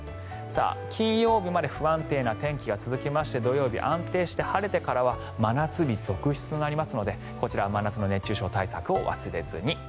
金曜日まで不安定な天気が続きまして土曜日、安定して晴れてからは真夏日続出となりますのでこちらは真夏の熱中症対策を忘れずに。